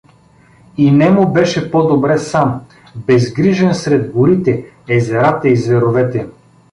И нему беше по-добре сам, безгрижен сред горите, езерата и зверовете.